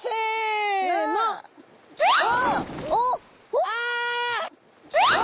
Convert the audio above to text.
おっ！